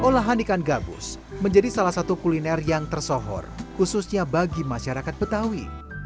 olahan ikan gabus menjadi salah satu kuliner yang tersohor khususnya bagi masyarakat betawi